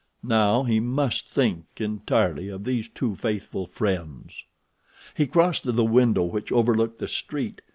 Now he must think entirely of these two faithful friends. He crossed to the window which overlooked the street.